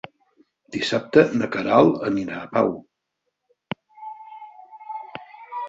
Dissabte na Queralt anirà a Pau.